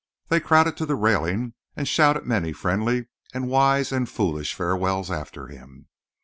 They crowded to the railing and shouted many friendly and wise and foolish farewells after him.